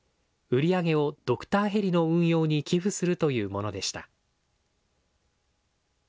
売り上げをドクターヘリの運用に寄付するというものでした。